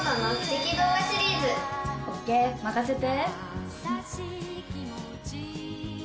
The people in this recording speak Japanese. ＯＫ、任せて。